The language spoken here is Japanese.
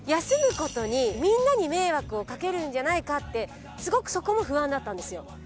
休むことにみんなに迷惑を掛けるんじゃないかってすごくそこも不安だったんですよ。